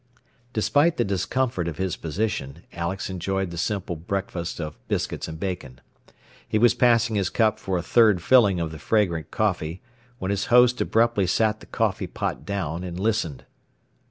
Despite the discomfort of his position Alex enjoyed the simple breakfast of biscuits and bacon. He was passing his cup for a third filling of the fragrant coffee, when his host abruptly sat the coffee pot down and listened.